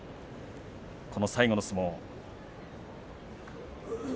この最後の相撲。